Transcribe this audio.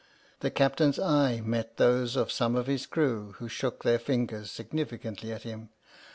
The Captain's eye met those of some of his crew, who shook their fingers significantly at him.